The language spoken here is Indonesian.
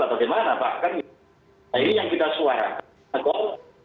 bagaimana bahkan nah ini yang kita suarakan